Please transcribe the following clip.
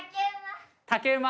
竹馬？